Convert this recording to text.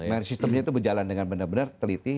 merit sistem itu berjalan dengan benar benar teliti